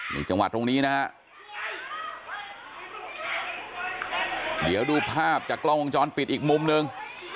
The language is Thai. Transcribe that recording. นี่จังหวะตรงนี้นะฮะเดี๋ยวดูภาพจากกล้องวงจรปิดอีกมุมหนึ่ง